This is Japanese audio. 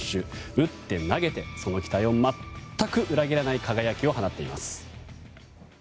打って投げてその期待を全く裏切らない輝きを放っています。